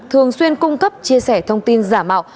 thường xuyên cung cấp chia sẻ thông tin giả mạo